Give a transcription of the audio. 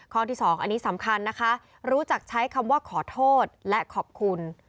ที่สองอันนี้สำคัญนะคะรู้จักใช้คำว่าขอโทษและขอบคุณ